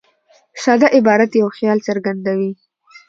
ساده عبارت یو خیال څرګندوي.